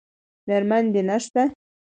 میرمن دې نشته؟